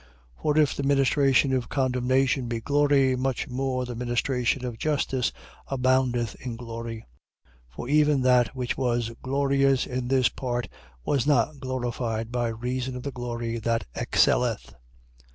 3:9. For if the ministration of condemnation be glory, much more the ministration of justice aboundeth in glory. 3:10. For even that which was glorious in this part was not glorified by reason of the glory that excelleth.